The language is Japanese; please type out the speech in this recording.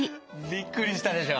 びっくりしたでしょ？